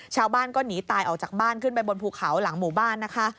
ชาวบ้านก็หนีตายออกจากบ้านขึ้นไปบนภูเขาหลังหมู่บ้านนะคะ